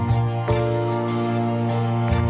hẹn gặp lại